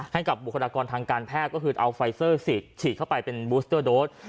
บุคลากรทางการแพทย์ก็คือเอาไฟเซอร์ฉีดเข้าไปเป็นบูสเตอร์โดส